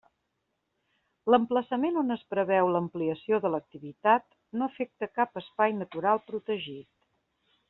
L'emplaçament on es preveu l'ampliació de l'activitat no afecta cap espai natural protegit.